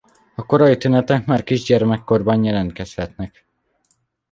A korai tünetek már kisgyermekkorban jelentkezhetnek.